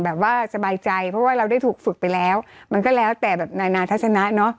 สบายใจเพราะว่าเราได้ถูกฝึกไปแล้วมันก็แล้วแต่แบบนานาทัศนะเนอะ